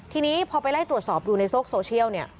ทีนี้พอไปไล่ตรวจสอบดูในโซคโซเชียล